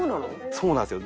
そうなんですよ。